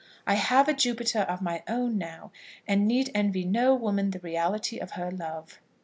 I have a Jupiter of my own now, and need envy no woman the reality of her love.